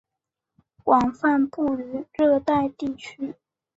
广泛布于热带地区。